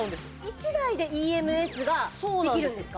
１台でＥＭＳができるんですか？